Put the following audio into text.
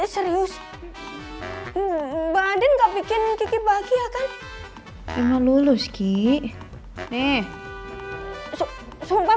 serius baden gak bikin kiki bahagia kan emang lulus ki nih sumpah